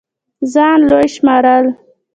ځان لوے شمارل